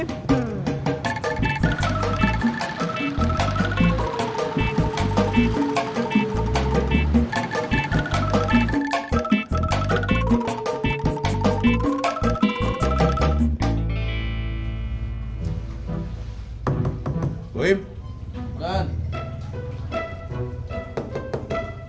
buah yang mana